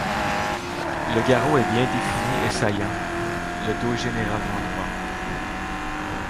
Le garrot est bien défini et saillant, le dos généralement droit.